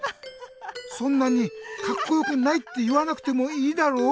そんなに「カッコよくない」っていわなくてもいいだろ。